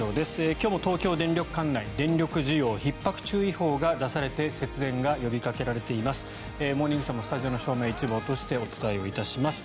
今日も東京電力管内電力需要ひっ迫注意報が出されて節電が呼びかけられています。